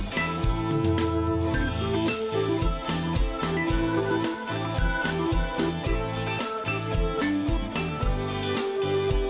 สวัสดีครับ